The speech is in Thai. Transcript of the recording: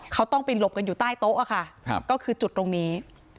เขาต้องไปหลบกันอยู่ใต้โต๊ะค่ะก็คือจุดตรงนี้